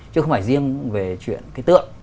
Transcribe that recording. chứ không phải riêng về chuyện cái tượng